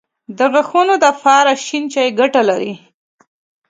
د غاښونو دپاره شين چای ګټه لري